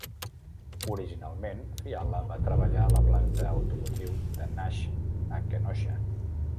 Originalment, Fiala va treballar a la planta automotriu de Nash a Kenosha.